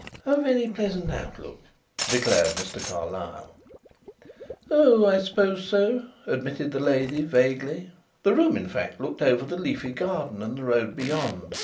"A very pleasant outlook," declared Mr. Carlyle. "Oh, I suppose so," admitted the lady vaguely. The room, in fact, looked over the leafy garden and the road beyond.